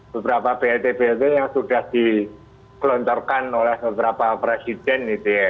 beberapa blt blt yang sudah dikelontorkan oleh beberapa presiden